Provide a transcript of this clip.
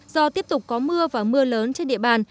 do tiếp tục có mưa và mưa lớn trên địa bàn